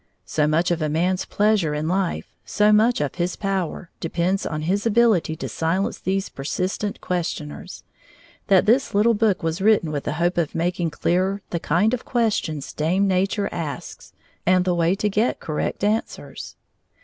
So much of a man's pleasure in life, so much of his power, depends on his ability to silence these persistent questioners, that this little book was written with the hope of making clearer the kind of questions Dame Nature asks, and the way to get correct answers.